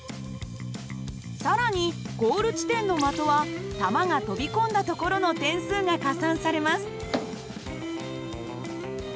更にゴール地点の的は玉が飛び込んだ所の点数が加算されます。